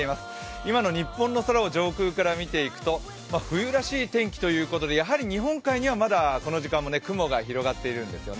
今の日本の空を上空から見ていくと、冬らしい天気ということで日本海にはまだこの時間も雲が広がっているんですよね。